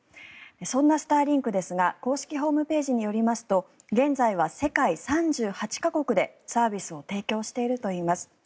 そんなスターリンクですが公式ホームページによりますと現在は世界３８か国でサービスを提供しているといいます。